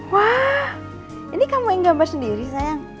wah ini kamu yang gambar sendiri sayang